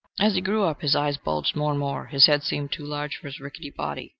As he grew up his eyes bulged more and more: his head seemed too large for his rickety body.